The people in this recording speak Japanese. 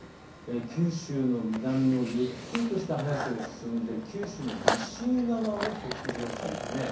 九州の南をゆっくりとした速さで進んで九州の西側を北上するんです。